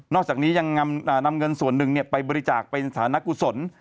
อกจากนี้ยังนำเงินส่วนหนึ่งไปบริจาคเป็นสถานกุศล